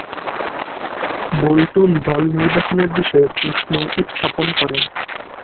Bolton দল নির্বাচনের বিষয়ে প্রশ্ন উত্থাপন করেন।